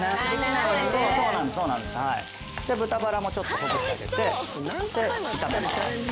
はいで豚バラもちょっとほぐしてあげてで炒めます